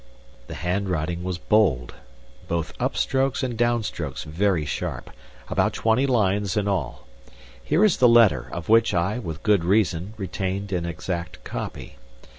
The hand writing was bold. Both up strokes and down strokes very sharp, about twenty lines in all. Here is the letter, of which I, with good reason, retained an exact copy.